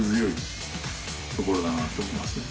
ところだなと思いますね。